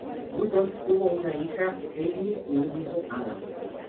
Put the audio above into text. Buttons tuvo una hija, Amy, y un hijo, Adam.